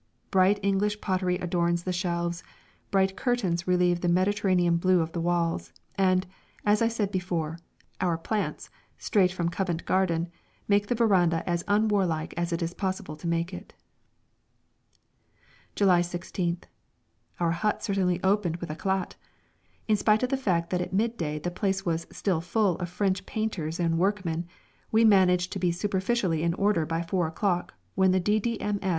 Bright English pottery adorns the shelves, bright curtains relieve the Mediterranean blue of the walls, and, as I said before, our plants, straight from Covent Garden, make the veranda as unwarlike as it is possible to make it. July 16th. Our hut certainly opened with éclat! In spite of the fact that at midday the place was still full of French painters and workmen, we managed to be superficially in order by four o'clock when the D.D.M.S.